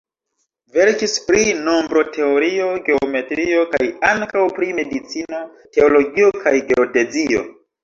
Verkis pri nombroteorio, geometrio kaj ankaŭ pri medicino, teologio kaj geodezio.